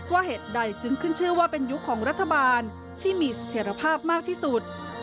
เหตุใดจึงขึ้นชื่อว่าเป็นยุคของรัฐบาลที่มีเสถียรภาพมากที่สุด